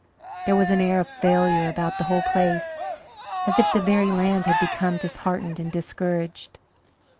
There was an air of failure about the whole place as if the very land had become disheartened and discouraged.